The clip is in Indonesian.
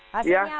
hasilnya apa pak